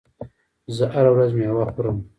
زه هره ورځ میوه خورم.